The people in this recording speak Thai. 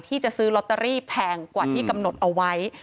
ที่จะซื้อลอตเตอรี่แพงกว่าที่กำหนดเอาไว้